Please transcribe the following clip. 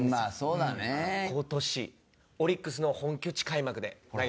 今年オリックスの本拠地開幕で投げました。